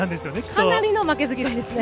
かなりの負けず嫌いですね。